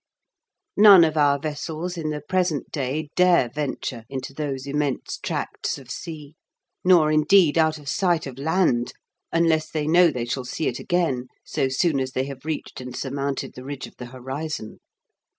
None of our vessels in the present day dare venture into those immense tracts of sea, nor, indeed, out of sight of land, unless they know they shall see it again so soon as they have reached and surmounted the ridge of the horizon.